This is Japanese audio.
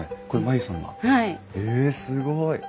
へえすごい！